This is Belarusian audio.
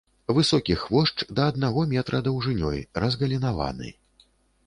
Высокі хвошч, да аднаго метра даўжынёй, разгалінаваны.